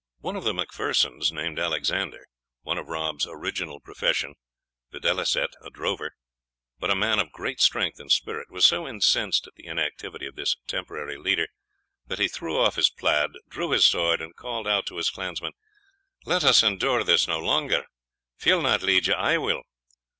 One of the Macphersons, named Alexander, one of Rob's original profession, videlicet, a drover, but a man of great strength and spirit, was so incensed at the inactivity of this temporary leader, that he threw off his plaid, drew his sword, and called out to his clansmen, "Let us endure this no longer! if he will not lead you I will."